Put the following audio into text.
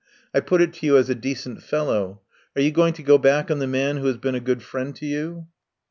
I put it to you as a decent fellow. Are you going to go back on the man who has been a good friend to you?"